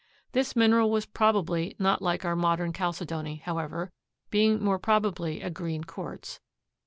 This mineral was probably not like our modern chalcedony, however, being more probably a green quartz.